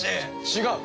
違う。